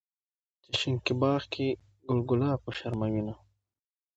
چې شينکي باغ کې ګل ګلاب وشرمووينه